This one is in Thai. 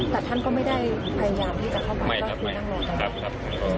แต่ท่านก็ไม่ได้พยายามที่จะเข้าไปและเพียงนั่งรอนะคะ